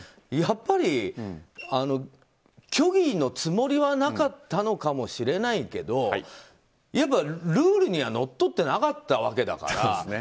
やっぱり虚偽のつもりはなかったのかもしれないけどルールにはのっとってなかったわけだから。